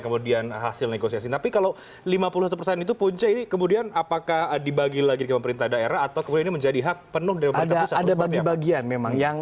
kementerian keuangan telah melakukan upaya upaya